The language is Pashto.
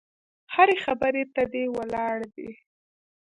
هرې خبرې ته دې ولاړ دي.